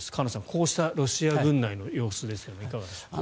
こうしたロシア軍内の様子ですがいかがでしょうか。